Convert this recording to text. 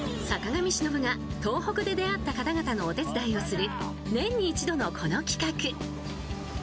坂上忍が東北で出会った方々のお手伝いをする年に一度のこの企画。